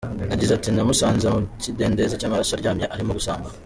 Yagize ati "Namusanze mu kidendezi cy’amaraso aryamye arimo gusamba.